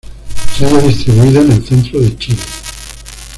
Se halla distribuida en el centro de Chile.